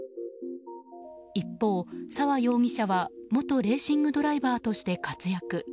一方、澤容疑者は元レーシングドライバーとして活躍。